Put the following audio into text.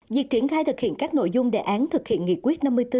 việc triển khai thực hiện các nội dung đề án thực hiện nghị quyết năm mươi bốn